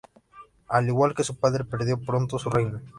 Al igual que su padre, perdió pronto su reino.